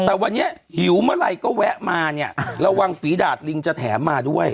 แต่วันนี้หิวเมื่อไหร่ก็แวะมาเนี่ยระวังฝีดาดลิงจะแถมมาด้วย